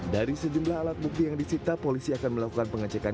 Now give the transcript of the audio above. dari sejumlah alat bukti yang disita polisi akan melakukan pengecekan